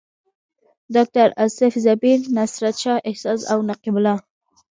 ډاکټر اصف زبیر، نصرت شاه احساس او نقیب الله.